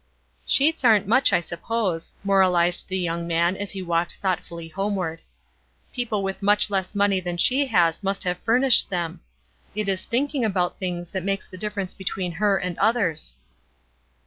"Sheets aren't much, I suppose," moralized the young man, as he walked thoughtfully homeward. "People with much less money than she has must have furnished them. It is thinking about things that makes the difference between her and others."